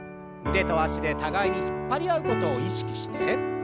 腕と脚で互いに引っ張り合うことを意識して。